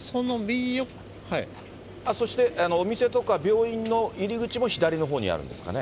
そしてお店とか病院の入り口も左のほうにあるんですかね？